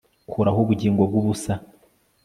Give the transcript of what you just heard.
Kuraho ubugingo bwubusa